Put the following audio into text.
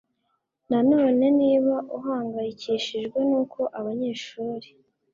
nanone niba uhangayikishijwe n uko abanyeshuri